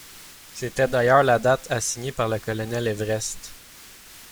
C’était, d’ailleurs, la date assignée par le colonel Everest.